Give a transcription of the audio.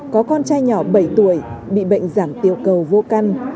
có con trai nhỏ bảy tuổi bị bệnh giảm tiêu cầu vô căn